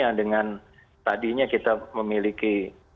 karena dengan tadinya kita memiliki